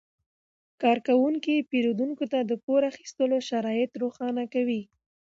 کارکوونکي پیرودونکو ته د پور اخیستلو شرایط روښانه کوي.